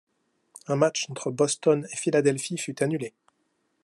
Un match entre Boston et Philadelphie fut annulé.